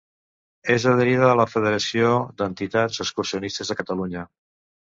És adherida a la Federació d'Entitats Excursionistes de Catalunya.